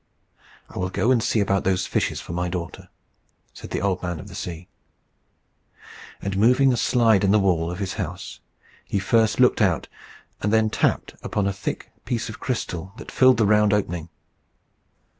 "I will go and see about those fishes for my daughter," said the Old Man of the Sea. And moving a slide in the wall of his house, he first looked out, and then tapped upon a thick piece of crystal that filled the round opening.